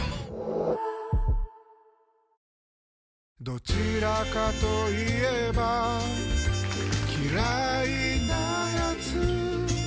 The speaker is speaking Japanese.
どちらかと言えば嫌いなやつ